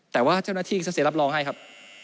แต่ว่าเจ้าหน้าที่ก็เสียรับรองให้ครับ